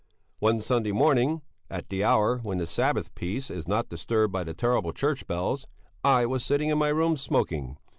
One Sunday morning, at the hour when the Sabbath peace is not disturbed by the terrible church bells, I was sitting in my room, smoking.